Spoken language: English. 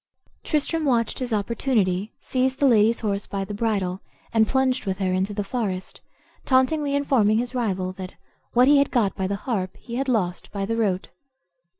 Tristram watched his opportunity, seized the lady's horse by the bridle, and plunged with her into the forest, tauntingly informing his rival that "what he had got by the harp he had lost by the rote."